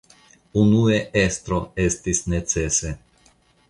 Unue estro, estis necese.